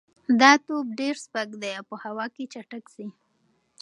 دا توپ ډېر سپک دی او په هوا کې چټک ځي.